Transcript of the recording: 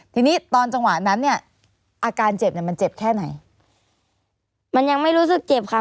ทีนี้ตอนจังหวะนั้นเนี่ยอาการเจ็บเนี่ยมันเจ็บแค่ไหนมันยังไม่รู้สึกเจ็บค่ะ